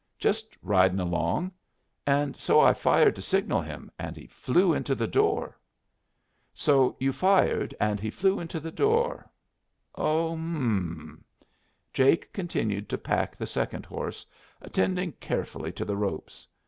"Just riding along. And so I fired to signal him, and he flew into the door." "So you fired, and he flew into the door. Oh, h'm." Jake continued to pack the second horse, attending carefully to the ropes.